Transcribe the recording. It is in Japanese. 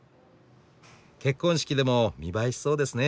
結婚式でも見栄えしそうですね